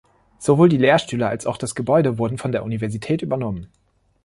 Sowohl die Lehrstühle, als auch das Gebäude wurden von der Universität übernommen.